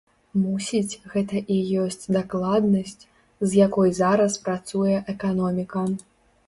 Мусіць, гэта і ёсць дакладнасць, з якой зараз працуе эканоміка.